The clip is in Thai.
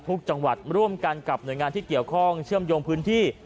ทุกจังหวัดร่วมกันกับหน่วยงานที่เกี่ยวข้องเชื่อมโยงพื้นที่